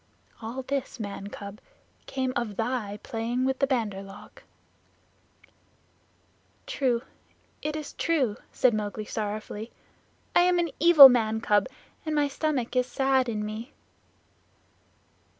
All this, man cub, came of thy playing with the Bandar log." "True, it is true," said Mowgli sorrowfully. "I am an evil man cub, and my stomach is sad in me."